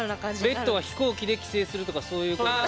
レッドは飛行機で帰省するとかそういうことじゃ。